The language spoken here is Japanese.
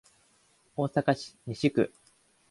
大阪市西区